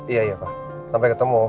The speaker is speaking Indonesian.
iya iya pak sampai ketemu